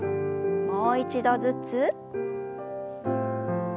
もう一度ずつ。